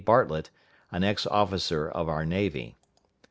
Bartlett, an ex officer of our navy.